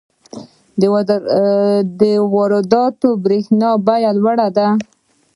د وارداتي برښنا بیه لوړه ده.